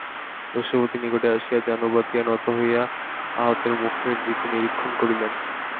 দস্যুপতি নিকটে আসিয়া জানু পাতিয়া নত হইয়া আহতের মুখের দিকে নিরীক্ষণ করিলেন।